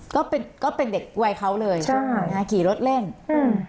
ก็เป็นก็เป็นเด็กวัยเขาเลยใช่นะฮะขี่รถเล่นอืม